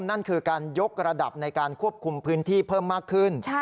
นั่นคือการยกระดับในการควบคุมพื้นที่เพิ่มมากขึ้น